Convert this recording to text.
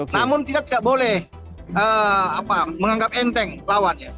namun tidak tidak boleh menganggap enteng lawannya